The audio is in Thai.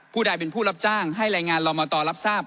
ใดเป็นผู้รับจ้างให้รายงานลมตรรับทราบ